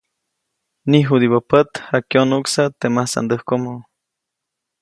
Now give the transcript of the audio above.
Niʼjudibä pät jakyonuʼksä teʼ masandäjkomo.